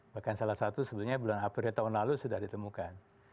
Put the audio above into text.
bahkan salah satu sebenarnya bulan april tahun lalu sudah ditemukan